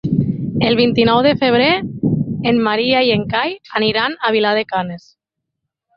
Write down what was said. El vint-i-nou de febrer en Maria i en Cai aniran a Vilar de Canes.